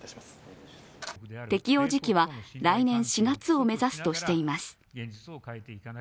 適用時期は来年４月を目指すとしています。